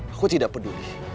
aku tidak peduli